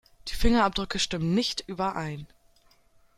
Die Fingerabdrücke stimmen nicht überein.